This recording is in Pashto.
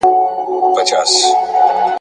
ما مي په تحفه کي وزرونه درته ایښي دي !.